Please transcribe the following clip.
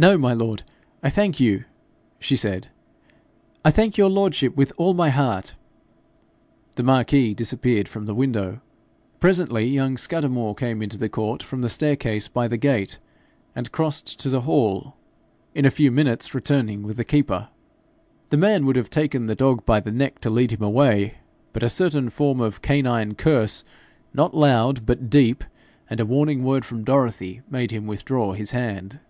'No, my lord, I thank you,' she said. ' I thank your lordship with all my heart.' The marquis disappeared from the window. Presently young Scudamore came into the court from the staircase by the gate, and crossed to the hall in a few minutes returning with the keeper. The man would have taken the dog by the neck to lead him away, but a certain form of canine curse, not loud but deep, and a warning word from Dorothy, made him withdraw his hand.